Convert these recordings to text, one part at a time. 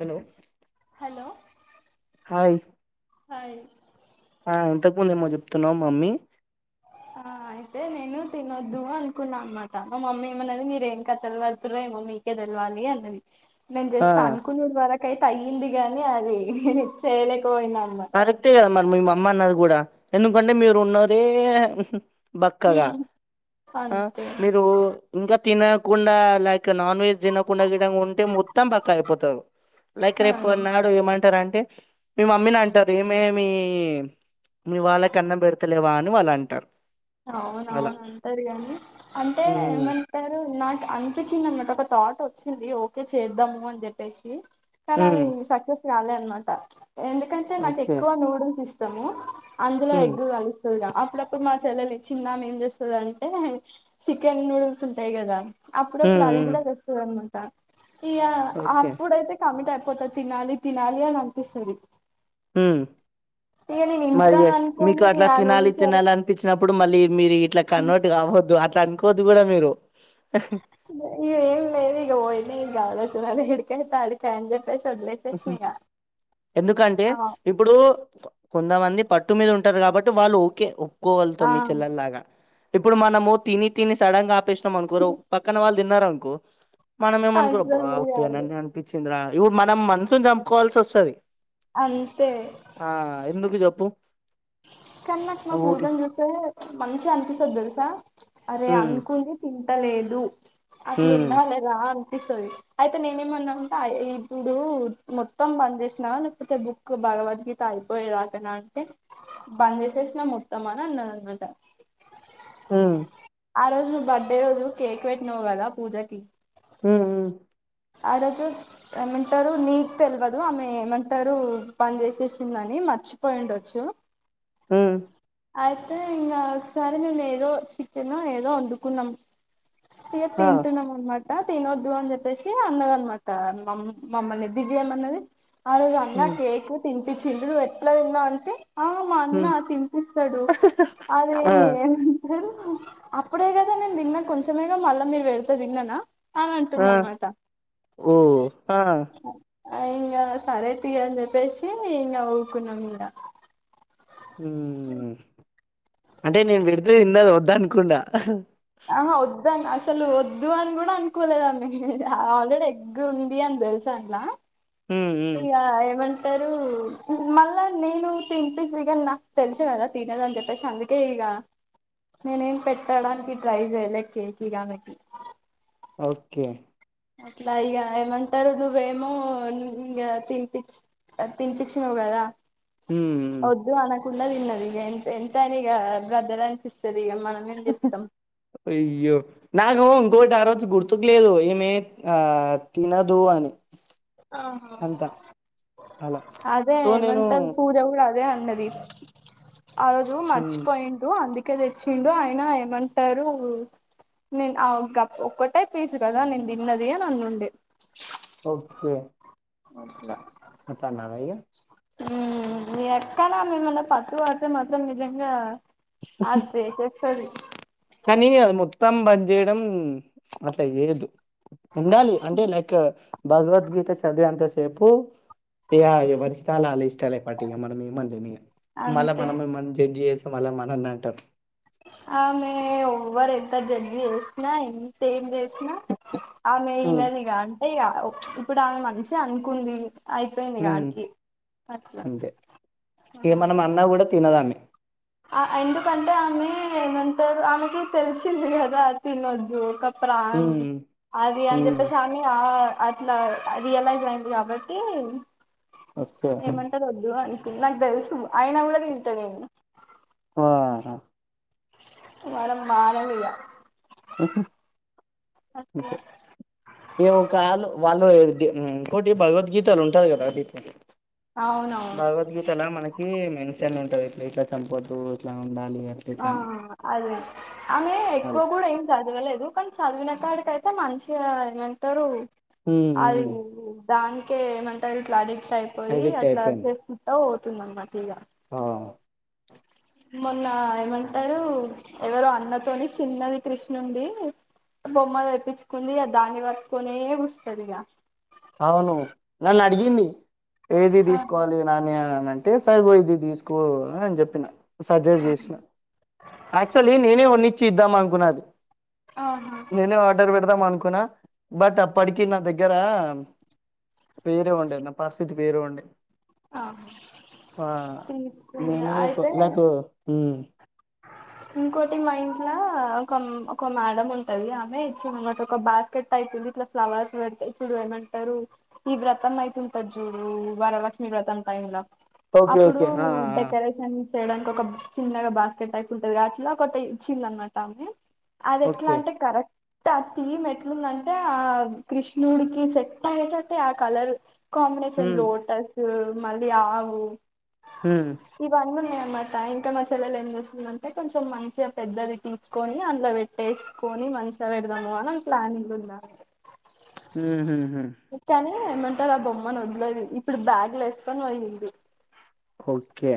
Hello hello hi hi ఆ ఇంతకుముందేమొ చెప్తున్నావ్ మమ్మీ ఆ అయితే నేను తినొద్దు అనుకున్నా అనమాట మా మమ్మీ ఏమన్నది మీర ఏం కథలు వడుతుారో ఏమొ మీ మీకే తెల్వలి అన్నది నేను ఆ జస్ట్ అనుకునుడు వరకైతే అయ్యింది గాని అది చేయలే కరెక్టే కదా మరి మీ అమ్మ అన్నారు కూడా ఎందుకంటే మీరు ఉన్నదే బక్కగా ఆ అంతే మీరు ఇంకా తినకుండా ల నాన్ వెజ్ దినకుండా గినం ఉంటే మొత్తం బక్కగైపోతారు లైక్ ఆ. రేపుట్నాడు ఏమంటారం టే మీ మమ్మీని అంటారు ఏ మేమి మీ వాళ్ళకన్నం పెడుతలేవా అన్ వాళ్ళంటారు అవునవును అంటారు కనీ అంటే ఉమ్, ఏమంటారు నా అనిపించింది అన్నమాట ఒక థాట్ వచ్చింది ఓకే చేద్దాము అని చెప్పేసి కానీ అది ఉమ్, సక్సెస్ కాలే అనమాట ఎందుకంటే నాకు ఓకే ఎక్కువ నూడుల్స్ ఇష్టము అందులో ఉమ్, ఎగ్ కలుస్తది గా అప్పుడప్పుడు మా చిళ్ళేలు చిన్నమే ఏం చేస్తదంటే చికెన్ నూడుల్స్ ఉంటాయి్ కదా అప్పుడప్పుడు ఉమ్, అవి ఉమ్, కూడా తెస్తాదన్నామాట ఇగ ఓకే ఆప్పుడైతే కమిటై పోత తినాలి తినాలి అని అనిపిస్తది మ్ ఇగ నేను ఇంత మరి ఇగ మీకు అనుకోని అట్లా ఆ తినాలి నూడిల్స్ వరకు తినాలి అనిపిచినప్పుడు ఇప్పుడు మళ్ళీ మీరు ఇట్లా కన్నోట్టు కావద్దు అట్లా అనుకోవద్దు కూడా మీరు ఏంలేదిగా పోయినై ఇగ ఆలోచనలు ఎడికైతే ఆడికే అని చెప్ ఎందుకంటే ఆ ఇప్పుడు కొంతమంది పట్టు మీద ఉంటారు కాబట్టి వాళ్ళు ఓకే ఒప్పుకోగలుతాం ఆ మీ చెల్లల్ లాగా ఇప్పుడు మనము తిని తిని సడన్ గా ఆపేసినాం అనుకోరు ఓక్ పక్కన వాళ్ళు తిన్నారనుకో మనం ఏమనుకోా అబ్బా అస్సలు ఇది కాదు ఉట్టిగానె అనిపిచిందిరా ఇప్పుడు మనం మనసుని చంపుకోవాల్సి వస్తది అంతే ఆ ఎందుకు చెప్పు కాని నాకు మా పూర్ ఊకే గాడ్ని జూత్తే మంచిగా అనిపిస్తది దెలుసా అరే ఉమ్ అనుకుని తింటలేదు అట్లు ఉమ్ ఉండాలి గాని ఇస్తది అయితే నేనేమన్నా అంటే అయె ఇప్పుడు మొత్తం బంద్ చేసినా లేకపోతే బుక్ భగవద్గీత అయిపోయే రాతన అంటే బంద్ చేసేసినా మొత్తం అని అన్నాను అనమాట మ్మ్ ఆ రోజు బడ్డె రోజు కేక్ పెట్టినవ్ పూజాకి మ్మ్మ్ ఆ రోజు ఏమంటారు నీకు తెల్వదు ఆమె ఏమంటారు పన్ చేసేసిందని మర్చిపోయిండొచ్చు హ్మ్ అయితే ఇంగ ఒకసారి మేము ఏదో చికెన ఏదో వడుకున్నాం ఇగ ఆ తింటున్నం అనమాట తినొద్దు అని చెప్ ప్పెసి అన్నది అనమాట మ మమ్మల్ని దిగే మన్నది ఆ రోజు అన్న ఉమ్ కేక్ తి పిచిండు ఎట్లా తిన్నావ్ అంటే ఆ మా అన్న ఉమ్ తినిపిస్తాడు అదీ ఆ ఏమంటారు అప్పుడే కదా నేను తిన్నా కొంచెమేగా మళ్ళా మీరు వెడితే తిన్నానా అని అంటుంది అన్నమాట మ్మ్ హా ఇంగ సరే తీ అని చెప్పేసి ఇంగ ఊరుకున్నాన్మాట మ్ అంటే నేను పెడితే తిన్నది వద్దు అనకుండ ఆహా వ ద్దు అసలు వద్దు అని గూడా అనుకోలేదు ఆమె ఆల్రెడీ ఎగ్గు ఉంది అని తెలుసు అంట హ్మ్. హ్మ్. ఇగా ఏమంటారు మ ళ్ళ నేను తిన్పిస్తే గాని నాకు తెచ్చి ఇవ్వరా తినదు అని చెప్పేసి అందుకే ఇగ నేనే ఏం పెట్టడానికి ట్రై చెయ్యలే కేక్ ఇగా అమెకి ఓకే అట్లా ఇగ ఏమంటారు నువ్వేమో ఇంగ తినిపిచ్చి తినిపిచ్చినావు గ ద హ్మ్. హ్మ్. వద్దు అనకుండ‌ తిన్నది ఇగ ఎంత ఎంత అని ఇగ బ్రదర్ అండ్ సిస్ అయ్యో నాకు ఇంకోటి ఆరోజు గుర్తు కులేదు ఈమె ఆ తినదు అని ఆ అంత అలా. అదే సో నేను ఏమంటమ్ పూజ కూడా అదే అ న్నది ఆ రోజు హ్మ్. మర్చిపోయిండు అందు కె తెచ్చిండు అయిన ఏమంటారు నేను ఆ గ ఒక్కటే పీసు కదా నేను తిన్నది అని ఉండే ఓకే అవ్వట్ల అట్లన్నారా ఇగ? మ్ ఎక్కడా మిమ్మల్ని పట్టు వాతే మాత్రం నిజంగా అది జేసేస్తాది. కానీ అది మొత్తం బంద్ చేయడం అట్లా చేయ్యదు ఉండాలి అంటే లైక్ భగవద్గీత చదివే అంత సేపు ఇగ ఎవరి ఇష్టాలు ఆళ్ ఇష్టాలే పట్టి ఇగ మనం ఏమని జేయము ఇగ మళ్ళా అంతే మనమేమన్న జడ్జి చేసాం మళ్ళ మన్నల్నే అంటరు ఆమె ఎవరు ఎంత జర్డ్ జేసిన ఎంత ఏం జే ఆమె ఇనదిగా అంతే ఇగ ఇప్పుడు ఆమె మంచిగా అనుకుంది అయిపోయింది ఇగ మ్ ఆడికి అట్లా అంతే ఇగ మనం అన్న కూడా తినదామె ఎందుకంటే ఆమె ఏమంటారు ఆమెకి తెలిసింది కదా తినొద్దు ఒక ప్రా అంది హ్మ్ అది అని హ్మ్ చెప్పేసి ఆమె ఆ అట్లా రియలైజ్ అయింది కాబట్టి ఓకే ఏమంటరు వద్దు అని నాకు తెలుసు అయిన కూడ తింటా నేను వాహ్ మనం మారం, ఇగా ఉహు అంతే ఇగా, కాళ్ళు వాళ్ళు ఏదు ఇంకోటి భగవద్గీతలు ఉంటాది. గదా అవునవును భగవద్గీతల, మనకి మెన్షన్ ఉంటది. ఇట్లా ఇట్లా చంపొద్దు, ఇట్లా ఉ ఆ అదే, ఆమె ఎక్కువ అలా గూడా ఏం చదవలేదు. కాని చదివిన కాడికయితే, మంచిగా ఏమంటారు. హ్మ్ అది హ్మ్ దానికే ఏమంటరు, ఇట్లా అడిక్ట్ అయిపోయి, ఎడిక్ట్ అట్లా చేసికుంటా పోతుంది. అన్నమాట ఇగా. అ మొన్న ఏమంటరు, ఎవరో అన్నతోని, చిన్నది కృష్ణుండి బొమ్మ తెప్పించుకుంది. దాన్ని పట్టుకునే కుసుంటది. ఇగా అవును, నన్ను అడిగింది. ఏది ఆ తీసుకోవాలి. నాని అంటే సరిపో, ఇది తీసు కో అని చెప్పిన, సజెస్ ఆ చేసిన యాచువలి, నేనే వ చ్చిద్దాం అనుకున్నది. ఆహా నేనే ఆర్డర్ పెడదాం. అనుకు కున్న, బట్ అప్పటికి నా దగ్గర వేరే ఉండె, నా పరిస్థి వేరే ఉండే ఆ ఆ తీసుకుంది నేనే ఎకు అయితే లకు మ్ ఇంకోటి, మా ఇంట్లో ఒక ఒక మేడం ఉంటది. ఆమె ఇచ్చింది, ఒక బాస్కెట్ టయిపు ఉంది. ఇట్లా, ఫ్లవర్స్ పెట్టి ఇప్పుడు ఏమంటారు. ఈ వ్రతం అయితుంటది. చూడు వరలా మీ వ్రతం టైం ల, ఓకే అప్పుడు ఓకే డెకరేషన్ చేయడానికి, ఒక చిన్నగా బాస్కెట్ టైపు ఉంటది. అట్లా ఒకటి ఇచ్చిందన్నమాట ఆమె అది, ఎట్లా ఓకే అంటే కరెక్ట్ ఆ థీమ్ ఎట్లుందంటే, ఆ కృష్ణుడికి సెట్ అయ్యేటట్టే ఆ కలర్. కాంబినేషన్ లోటస్, మళ్ళీ ఆవు ఇవన్ని ఉన్నాయి. అనుకో మా సాయి ఇంకా మా చెల్లెలు ఏం చేస్తుందంటే, కొంచెం మంచిగా పెద్దది తీసుకొని, అందులో పెట్టేసుకొని మంచిగా పెడదాము అని, ప్లానింగ్ ఉందా. ఉహు ఏమంటారు. ఆ బొమ్మను వదలది, ఇప్పుడు బ్యాగ్ లో వేసుకొని పోయింది. ఓకే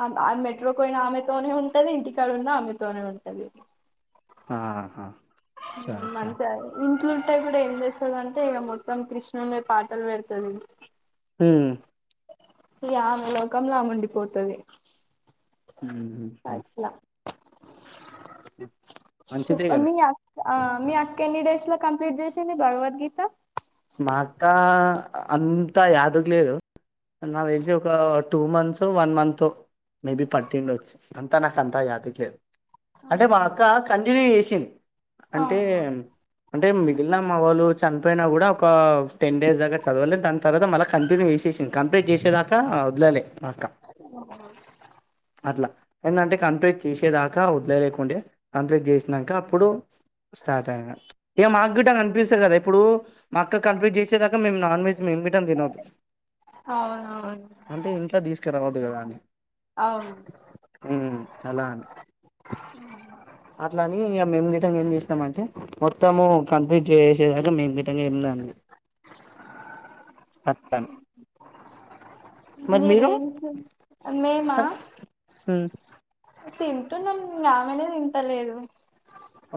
ఆమె మెట్రోకి పోయిన ఆమెతోనే ఉంటది. ఇంటికాడ ఉన్న ఆమెతోనే ఉంటది. అచ్చా మ్ అచ్చా మంచి య మ్ ఇంట్లుంటే కూడా ఏం చేస్తది. అంటే ఇగా మొత్తం కృష్ణ ని పాటలు పెడుతది. ఉమ్ ఇగా, ఆమెలోకంలో ఆమె ఉండిపోతది. ఉ హు అట్లా మంచిదే చెప్ప గదా. మీ అక్క ఆ మీ అక్క ఎన్ని డేస్ లో కంప్లీట్ చేసింది. భగవద్గీత మా అక్క అంతా యాదుకలేదు. నాకు తెలిసి, ఒక టూ మంత్స్, వన్ మంతో మేబి పట్టి ఉండచ్చు, అంతా నాకంతా యాదుక లేదు. అంటే, మా ఆహా అక్క కంటిన్యూ చేసింది. అంటే అవును అంటే మిగిలిన, మా వాళ్ళు చనిపోయినా గూడా ఒక టెన్ డేస్ దగ్గర చదవలే, దాని తర్వాత మళ్ళ కంటిన్యూ చేసేసింది. కంప్లీట్ చేసేదాకా వదలలే మా అక్క. అట్లా ఏందంటే కంప్లీట్ చేసేదాకా. ఇంకా వదిలలేకుండే, కంప్లీట్ చేసినాక అప్పుడు స్టార్ట్ అయి. ఇగా మాకు గిట అనిపిస్తుంది. కదా ఇప్పుడు మా అక్క కంప్లీట్ చేసేదాకా, మేము నాన్ వెజ్ మేము గిట్ల తినోద్దు, అవునవును అంటే ఇంట్లో తీసుకు రావద్దు. కదా అని అవును ఉ అలా అని అట్లని ఇగ మేము గిట్ల ఏం చేసినామంటే మొత్తము కంప్లీట్ చేసేదాక మేము గిట్ల ఏం అంది అట్టని మీరేంటి మేమా హుమ్ తింటున్నాం ఆమెనే తింటలేదు.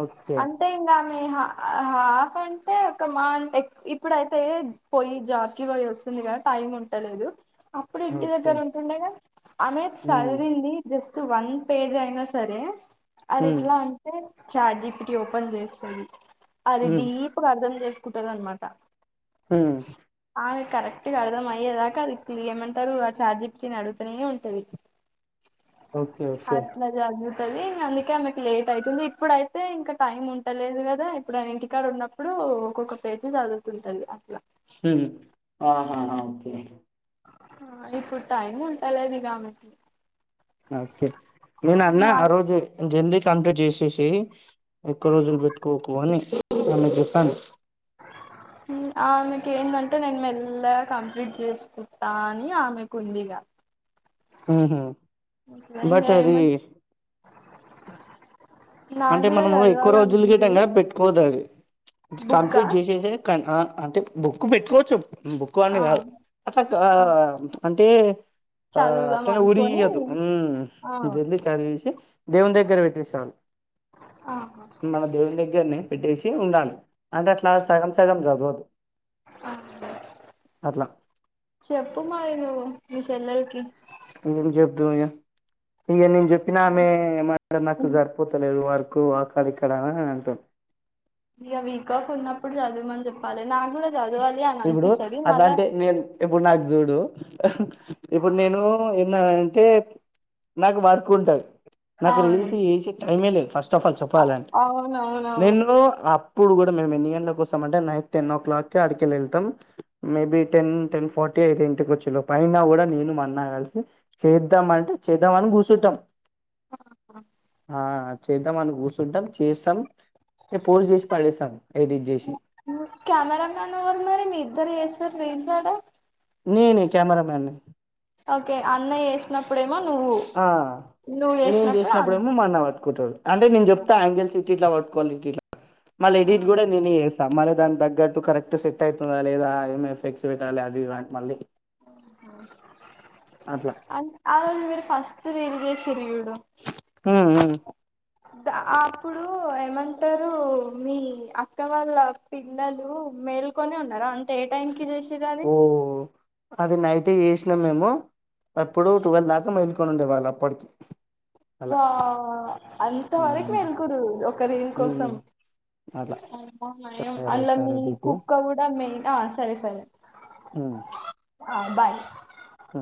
ఓకే అంతే ఇంగా పోయి హా ఆ హాఫ్ అంటే ఒక మహా అంట్ ఇప్పుడైతే పోయి జాబ్కి పోయి వస్ స్తుంది గదా టైం ఉంటలేదు. అప్పుడు ఇంటి ఓకే దగ్గర ఉంటుండే గా ఉమ్ స్ట్ వన్ పేజ్ అయినా సరే అది ఉమ్ ఎట్లా అంటే చాట్జి పీటి ఓపెన్ చేస్తది అది ఉమ్ డీప్గా అర్థం చేసుకుంటది అనమాట హుమ్ ఆమెకి కరెక్ట్ గా అర్థం అయ్యేదాకా అది క్లి ఏమంటారు ఆ చార్జిపీటిని అడుగుతానే ఉంటది. ఓకే ఓకే అట్లా చదువుతది ఇంక అందుకే ఆమెకు లేట్ అయితది. ఇప్పుడు అయితే ఇంకా టైం ఉంటలేదు గదా ఇప్పుడు ఆమె ఇంటికాడ ఉన్నప్పుడు ఒక్కొక్క పేజీ చదువుతుంటంది అట్లా ఉమ్ ఆహాహ ఓకే హా ఇప్పుడు టైం ఉంటలేదు ఇగ ఆమెకి ఓకే నేను అన్న నా ఆ రోజు ఇంకా ఎందుక్ కంప్లీట్ చేసేసెయ్ ఎక్కువ రోజులు పెట్టుకోకు అని ఆమెకి చెప్పాను హుమ్ ఆమెకు ఏందంటే నేను మెల్లగా కంప్లీట్ చేసుకుంటా అని ఆమెకు ఉంది. [inaudible] ఊహుమ్ ఊ హ్మ్ ఇంగా ఏమన్ అంటే మనము ఎక్కువ రోజుల వింటాం గదా పెట్టుకోవద్దు అది బుక్కా కంప్లీట్ చేసేసెయ్ కానీ ఆ అంటే బుక్ పెట్టుకోవచ్చు బుక్ అని ఆ గాదు అట్లా గా ఆ, అంటే ఆ చదువుదాం అట్లనే అనుకొని ఊరియొద్దు ఆ ఉమ్ జల్దీ చదివేసి దేవుని దగ్గర పెట్టేయ్ చాలు ఆహా మన దేవుని దగ్గరనే పెట్టేసి ఉండాలి అంటే అట్లా సగం సగం చదవొద్దు ఆ. చెప్పు మరి నువ్వు మీ చెల్లెలికి ఎందుకు చెప్తాం ఇగా, ఇంగ నేను చెప్పినా ఆమె ఏమంటది నాకు సరిపోతలేదు వర్క్ ఆక్కడ ఇక్కడా అంటుంది. ఇగ వీక్ ఆఫ్ ఉన్నప్పుడు చదవమని చెప్పాలి నార్మల్ ఇప్పుడు అట్లాంటే నేను ఇప్పుడు నాది చూడు ఇప్పుడు నేను నా అంటే నాకు వర్క్ ఉంటది, నాకు అవును రీల్స్ చేసే టైమే లేదు. ఫస్టఫాల్ అ- చెప్పాలంటే అవునవునవును నేను ఆప్ అప్పుడు గూడ మేము ఎన్ని గంటల కోస్తాం అంటే నైట్ టెన్ ఓ క్లాక్ కి ఆడికి వెళ్ళేది త్తం మేబి టెన్ టెన్ ఫార్టీ అయిద్ది ఇంటికి వచ్చేలోపు అయినా గూడ నేను మా అన్న కలిసి చెయ్ చేద్దాం అంటే చేద్దాం అని కూర్చుంటాం. ఆ ఆ ఆ చేద్దాం అని కూర్చుంటాం చేస్తాం ఇగ పూర్తి చేసి పడేస్తాం ఎడిట్ చేసి మీరిద్దరూ చేస్తారు దేంట్లో ఆడ నేనే కెమెరా మ్యాన్ ని ఓకే అన్నయ్య వేసినప్పుడే ఆ నేను చేసినప్పుడేమో మా అన్న పట్టుకుంటాడు అంటే నేను చెప్తా యాంగిల్స్ ఇట్టిట్లా పట్ కోవాలి ఇట్టిట్లా మళ్ళా ఎడిట్ గూడా నేనే చేస్తా మళ్ దానికి తగ్గట్టు కరెక్ట్ సెట్ అయితుందా లేదా ఏం ఎఫెక్ట్స్ పెట్టాలా అది ఇది అని మళ్ళీ అట్లా అవ్ ఆ రోజు మీరు ఫస్ స్ట్ రీల్ చేసిర్రు చూడు హుమ్ ఉమ్ అప్పుడు ఏమంటారు మీ అక్క వాళ్ళ పిల్లలు మేల్కొనే ఉన్నారా అంటే ఏ టైం కి చేషిర్రవి ఓ అది నైటే చేషిన మేము అప్పుడు టువల్ దాకా మేల్కొని ఉండేవాళ్ళ్ అప్పడికి వా అంత వరకు ఉమ్, మేల్కురు ఒక రీల్ కోసం ఉమ్, అట్లా సరే అందులో మీ సరే దీపు కుక్క గుడ మెయిన్ ఆ సరే సరే ఆ బాయ్ ఉ